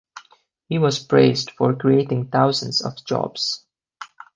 He was praised for creating thousands of jobs.